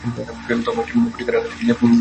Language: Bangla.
ধর্ম একটি বটিকার আকারে গিলিয়া ফেলা যায় না।